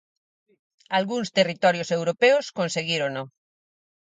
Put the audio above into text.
Algúns territorios europeos conseguírono.